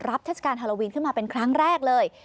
เทศกาลฮาโลวีนขึ้นมาเป็นครั้งแรกเลย